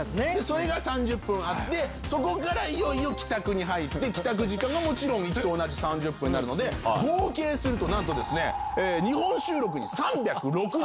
それが３０分あってそこからいよいよ帰宅に入って帰宅時間がもちろん行きと同じ３０分なので合計すると。